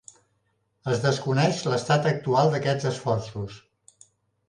Es desconeix l'estat actual d'aquests esforços.